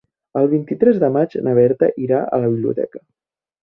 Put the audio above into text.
El vint-i-tres de maig na Berta irà a la biblioteca.